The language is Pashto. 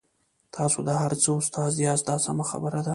تاسو د هر څه استاد یاست دا سمه خبره ده.